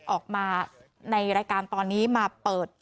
ออกมาในรายการตอนนี้มาเปิด